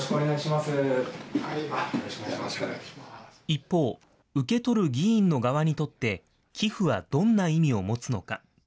一方、受け取る議員の側にとって、寄付はどんな意味を持つのか。